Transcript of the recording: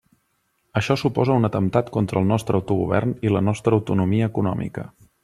Això suposa un atemptat contra el nostre autogovern i la nostra autonomia econòmica.